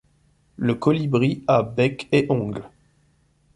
Le colibri a bec et ongles.